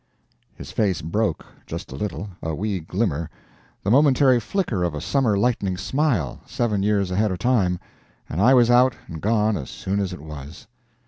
His face broke just a little a wee glimmer, the momentary flicker of a summer lightning smile, seven years ahead of time and I was out and gone as soon as it was.